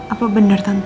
apa bener tante